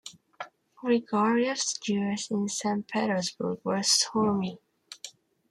Grigoryev's years in Saint Petersburg were stormy.